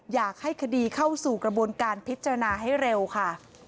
อยากให้คดีเข้าสู่กระบวนการพิจารณาให้เร็วค่ะ